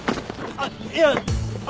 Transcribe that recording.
あっいやあの。